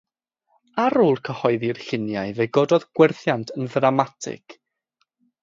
Ar ôl cyhoeddi'r lluniau fe gododd gwerthiant yn ddramatig.